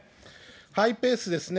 ハイペースですね。